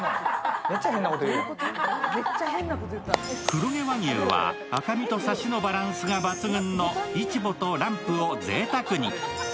黒毛和牛は赤身とサシのバランスが抜群のイチボとランプをぜいたくに。